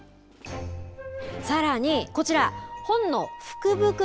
さらに、こちら本の福袋。